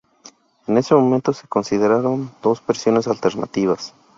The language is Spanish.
En ese momento, se consideraron dos versiones alternativas.